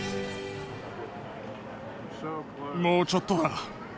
もうちょっとだ。